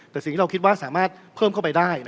แต่สิ่งที่เราคิดว่าสามารถเพิ่มเข้าไปได้